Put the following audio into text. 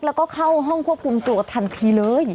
แล้วก็เข้าห้องควบคุมตัวทันทีเลย